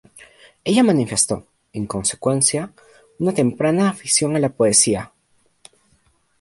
Ella manifestó, en consecuencia, una temprana afición a la poesía.